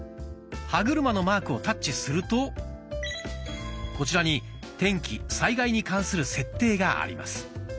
歯車のマークをタッチするとこちらに「天気・災害に関する設定」があります。